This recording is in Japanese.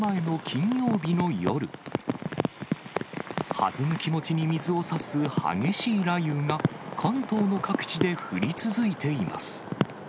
はずむ気持ちに水を差す激しい雷雨が、関東の各地で降り続いています。